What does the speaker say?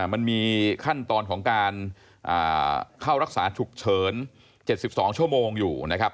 มันมีขั้นตอนของการเข้ารักษาฉุกเฉิน๗๒ชั่วโมงอยู่นะครับ